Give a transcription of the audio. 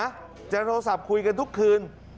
จะโทรศัพท์คุยกันทุกคืน